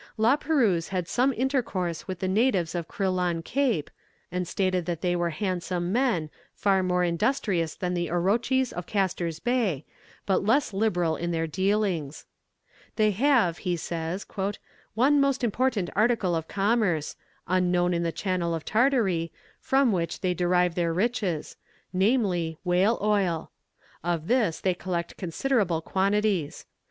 La Perouse had some intercourse with the natives of Crillon Cape, and stated that they were handsome men, far more industrious than the Orotchys of Casters Bay, but less liberal in their dealings. "They have," he says, "one most important article of commerce unknown in the channel of Tartary from which they derive their riches, namely, whale oil. Of this they collect considerable quantities.